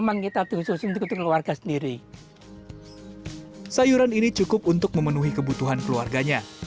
bahkan panen cabai sudah mampu memberikan kebutuhan keluarga